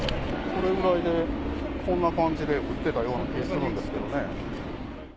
このぐらいで、こんな感じで撃ってたような気がするんですけれどもね。